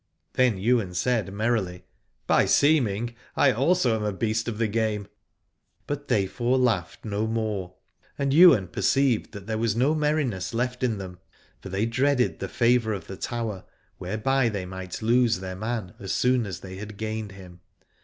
Then Ywain said merrily. By seeming I also am a beast of the game. But they four laughed no more, and Ywain perceived that there was no merri ness left in them : for they dreaded the favour of the Tower, whereby they might lose their man as soon as they had gained him.